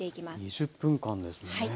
２０分間ですね。